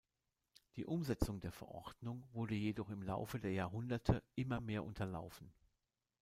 Die Umsetzung der Verordnung wurde jedoch im Laufe der Jahrhunderte immer mehr unterlaufen.